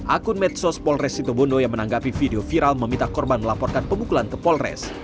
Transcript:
akun medsos polres situbondo yang menanggapi video viral meminta korban melaporkan pemukulan ke polres